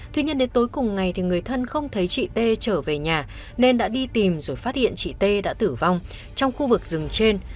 tuy nhiên đến tối cùng ngày thì người thân không thấy chị t trở về nhà nên đã đi tìm rồi phát hiện chị t đã tử vong trong khu vực rừng trên